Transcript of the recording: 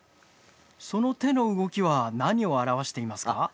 その手の動きは何を表していますか？